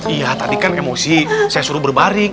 iya tadi kan emosi saya suruh berbalik